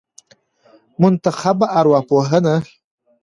منتخبه ارواپوهنه